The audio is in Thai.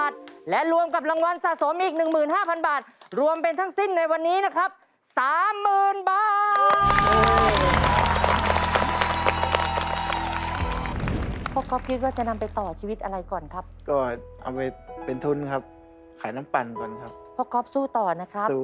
ถ้าให้ตายที่ที่บ้าน